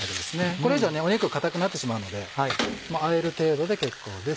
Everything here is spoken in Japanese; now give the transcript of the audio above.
これ以上はね肉硬くなってしまうのであえる程度で結構です。